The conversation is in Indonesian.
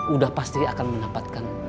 udah pasti akan mendapatkan